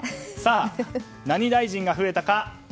さあ、何大臣が増えたか。